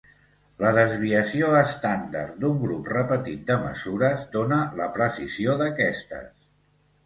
La desviació estàndard d'un grup repetit de mesures dóna la precisió d'aquestes.